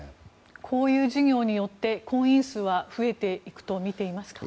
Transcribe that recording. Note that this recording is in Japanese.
こういう授業によって婚姻数は増えていきますか？